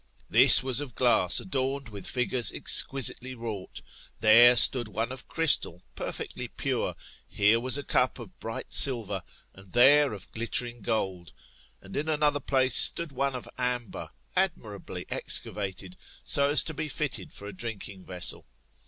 This was of glass adorned with figures exquisitely wrought ; there stood one of crystal perfectly pure. Here was a^up of bright silver, and there of glittering gold ; and in another place stood one of amber, admirably excavated, so as to be fitted for a drinking vessel.